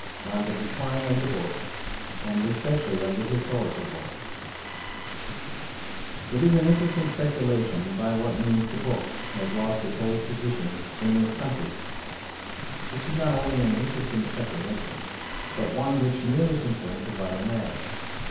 On the Decline of the Book: [And Especially of the Historical Book] It is an interesting speculation by what means the Book lost its old position in this country. This is not only an interesting speculation, but one which nearly concerns a vital matter.